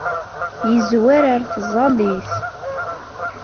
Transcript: Yezwar ar tẓallit.